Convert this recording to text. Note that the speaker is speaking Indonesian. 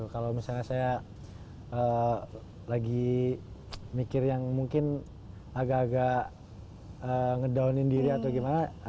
kalau misalnya saya lagi mikir yang mungkin agak agak ngedownin diri atau gimana